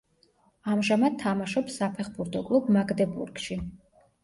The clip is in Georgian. ამჟამად თამაშობს საფეხბურთო კლუბ „მაგდებურგში“.